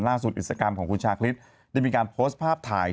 อิสกรรมของคุณชาคริสได้มีการโพสต์ภาพถ่าย